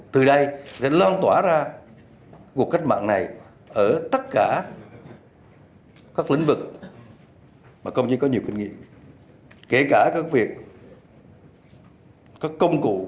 từ đây sẽ loan tỏa ra cuộc cách mạng này ở tất cả các lĩnh vực mà công chức có nhiều kinh nghiệm